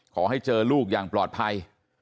ขอให้เจอลูกอย่างปลอดภัย